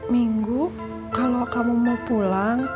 minggu kalau kamu mau pulang